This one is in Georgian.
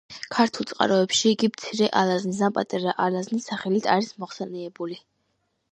ქართულ წყაროებში იგი „მცირე ალაზნის“ ან „პატარა ალაზნის“ სახელით არის მოხსენიებული.